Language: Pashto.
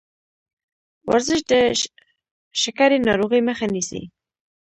ورزش د شکرې ناروغۍ مخه نیسي.